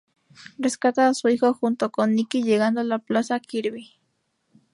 Rescata a su hijo junto con Niki, llegando a la Plaza Kirby.